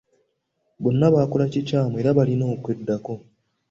Bano bakola kikyamu era balina okweddako.